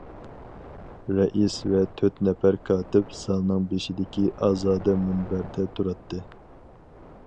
رەئىس ۋە تۆت نەپەر كاتىپ زالنىڭ بېشىدىكى ئازادە مۇنبەردە تۇراتتى.